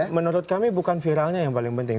karena menurut kami bukan viralnya yang paling penting